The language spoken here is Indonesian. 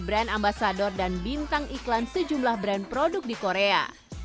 brand ambasador dan bintang iklan sejumlah brand produk di korea